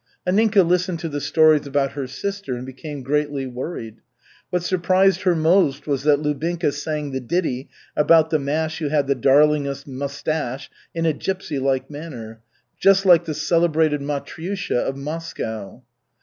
$/ Anninka listened to the stories about her sister and became greatly worried. What surprised her most was that Lubinka sang the ditty about the "mash who had the darlingest mustache" in a gypsy like manner, just like the celebrated Matryusha of Moscow.